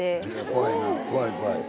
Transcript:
怖いな怖い怖い。